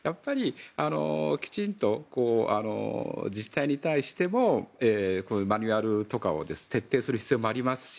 きちんと自治体に対してもマニュアルとかを徹底する必要もありますし